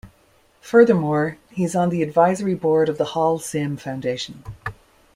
Furthermore, he is on the Advisory Board of the Holcim Foundation.